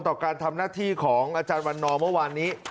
ต่อการทำหน้าที่ของอาจารย์วันนอเมื่อวานนี้